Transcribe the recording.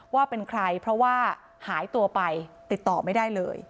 ว่าเป็นใครเพราะว่าหายตัวไปติดต่อไม่ได้เลย